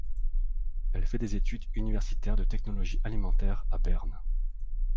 Elle fait des études universitaires de technologie alimentaire à Berne.